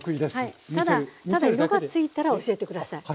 ただただ色がついたら教えて下さい。